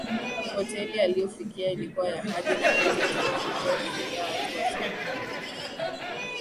Hoteli aliofikia ilikua na hadhi ya nyota tano ambayo hufikia watu wa serikalini